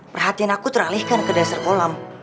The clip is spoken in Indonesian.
perhatian aku teralihkan ke dasar kolam